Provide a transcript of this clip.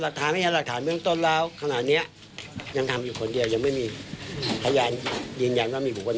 เค้าให้การว่ายังไงบ้าง